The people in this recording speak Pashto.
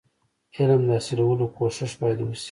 علم د حاصلولو کوښښ باید وسي.